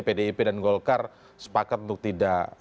pdip dan golkar sepakat untuk tidak